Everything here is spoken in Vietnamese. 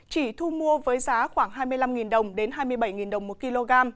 chỉ thu mua với giá khoảng hai mươi năm đồng đến hai mươi bảy đồng một kg